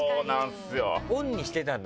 マイクオンにしてたんだ。